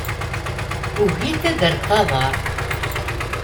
Ugint ad rrent aḍar.